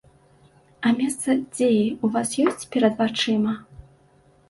А месца дзеі ў вас ёсць перад вачыма?